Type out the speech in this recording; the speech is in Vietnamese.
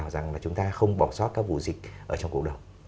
rằng là chúng ta không bỏ sót các vụ dịch ở trong cộng đồng